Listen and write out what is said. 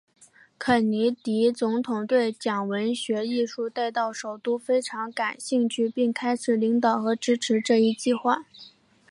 肯尼迪总统对将文学艺术带到首都非常感兴趣并且开始领导和支持这一计划。